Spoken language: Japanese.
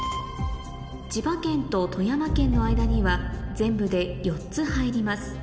千葉県と富山県の間には全部で４つ入ります